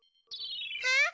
えっ？